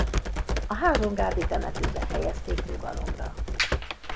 A házsongárdi temetőben helyezték nyugalomra.